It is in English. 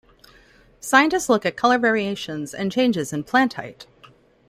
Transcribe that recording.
Scientists look at color variations and changes in plant height.